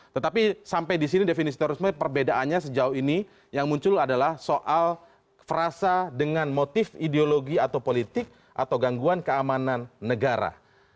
tetapi sampai di sini definisi terorisme perbedaannya sejauh ini yang muncul adalah soal frasa dengan motif ideologi atau politik atau gangguan keamanan negara